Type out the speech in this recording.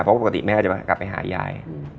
เพราะปกติแม่จะกลับไปหายาย